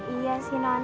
iya sih nun